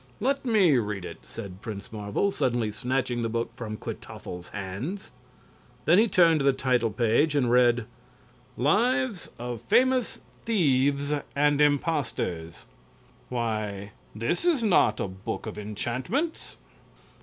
"Let me read it," said Prince Marvel, suddenly snatching the book from Kwytoffle's hands. Then he turned to the title page and read: "'Lives of Famous Thieves and Impostors.' Why, this is not a book of enchantments."